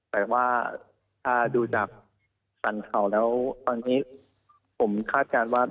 แต่ว่าถ้าดูจากสรรเขาแล้วตอนนี้ผมคาดการณ์ว่า